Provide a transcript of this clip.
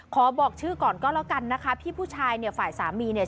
บอกชื่อก่อนก็แล้วกันนะคะพี่ผู้ชายเนี่ยฝ่ายสามีเนี่ย